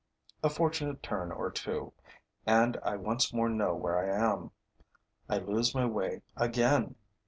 A fortunate turn or two; and I once more know where I am. I lose my way again.